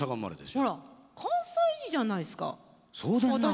ほら関西人じゃないですか私たち。